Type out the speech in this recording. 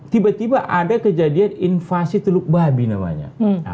tiba tiba ada kejadian invasi teluk babi namanya